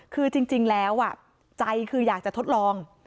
คือจริงจริงแล้วอ่ะใจคืออยากจะทดลอง